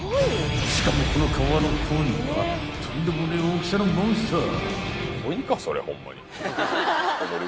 ［しかもこの川のコイはとんでもねえ大きさのモンスター］